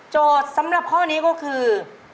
โจทย์สำหรับข้อนี้ก็คือ